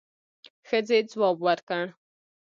ښځې ځواب ورکړ.